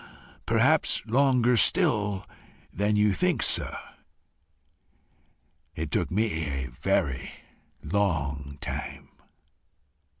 "Perhaps longer still than you think, sir. It took me a very long time.